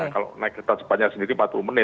kalau naik kereta cepatnya sendiri empat puluh menit